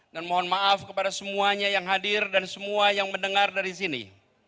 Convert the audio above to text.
dan mohon maaf kepada semuanya yang hadir dan semua yang mendengar dari sini